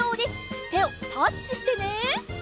てをタッチしてね！